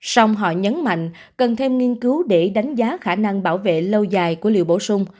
xong họ nhấn mạnh cần thêm nghiên cứu để đánh giá khả năng bảo vệ lâu dài của liều bổ sung